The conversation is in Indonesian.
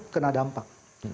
kena dampak